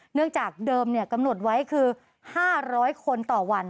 เนื่องจากเดิมเนี้ยกำหนดไว้คือห้าร้อยคนต่อวัน